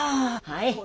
はい。